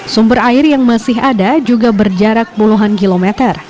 sumber air yang masih ada juga berjarak puluhan kilometer